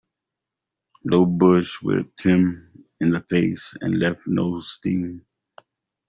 Low bush whipped him in the face and left no sting.